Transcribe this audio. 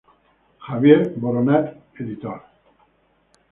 Javier Boronat Editor.